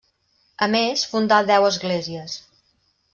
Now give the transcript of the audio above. A més, fundà deu esglésies.